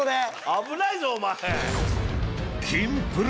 危ないぞおまえ。